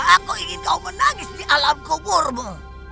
aku ingin kau menangis di alam kuburmu